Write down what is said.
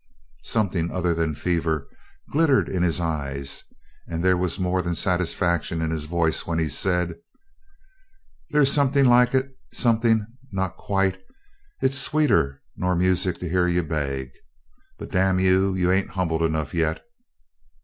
Something other than fever glittered in his eyes, and there was more than satisfaction in his voice when he said: "That's somethin' like it somethin' not quite! It's sweeter nor music to hear you beg. But, damn you, you ain't humble enough yet!"